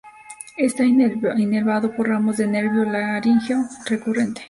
Está inervado por ramos del nervio laríngeo recurrente.